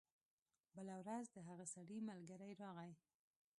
بله ورځ د هغه سړي ملګری راغی.